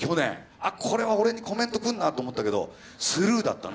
あっこれは俺にコメント来るなと思ったけどスルーだったね